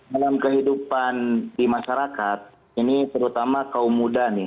dalam kehidupan di masyarakat ini terutama kaum muda nih